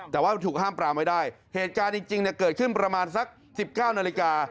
แต่ว่าถูกห้ามปรามไว้ได้เหตุการณ์จริงเนี่ยเกิดขึ้นประมาณสัก๑๙นาฬิกา